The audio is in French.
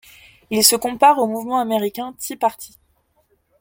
Il se compare au mouvement américain Tea Party.